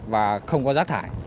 và không có rác thải